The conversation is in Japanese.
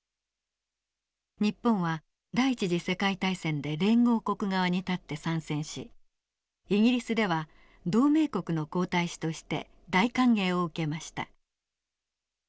日本は第一次世界大戦で連合国側に立って参戦しイギリスでは同盟国の皇太子として大歓迎を受けました。